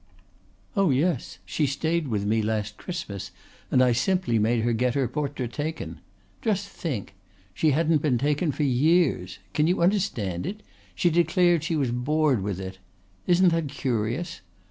"Oh yes. She stayed with me last Christmas, and I simply made her get her portrait taken. Just think! She hadn't been taken for years. Can you understand it? She declared she was bored with it. Isn't that curious?